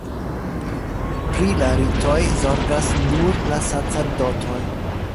Pri la ritoj zorgas nur la sacerdotoj.